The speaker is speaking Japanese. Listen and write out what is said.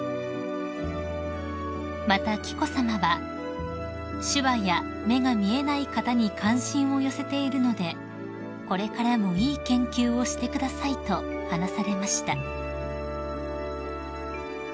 ［また紀子さまは「手話や目が見えない方に関心を寄せているのでこれからもいい研究をしてください」と話されました］